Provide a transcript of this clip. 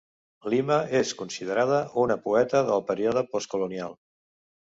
Lima és considerada una poeta del període postcolonial.